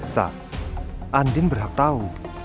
sa andin berhak tau